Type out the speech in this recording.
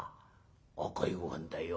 赤いごはんだよ。